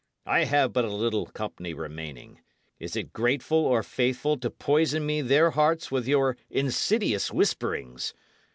I have but a little company remaining; is it grateful or faithful to poison me their hearts with your insidious whisperings?